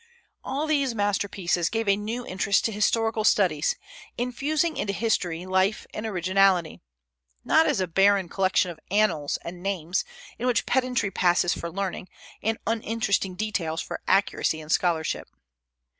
All these masterpieces gave a new interest to historical studies, infusing into history life and originality, not as a barren collection of annals and names, in which pedantry passes for learning, and uninteresting details for accuracy and scholarship.